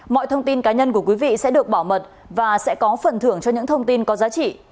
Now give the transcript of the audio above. mọi thông tin cá nhân của quý vị sẽ được bảo mật và sẽ có phần thưởng cho những thông tin có giá trị